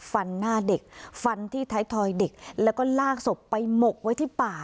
หน้าเด็กฟันที่ท้ายทอยเด็กแล้วก็ลากศพไปหมกไว้ที่ป่า